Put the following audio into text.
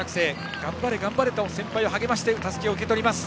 頑張れ頑張れと先輩を励ましてたすきを受け取りました。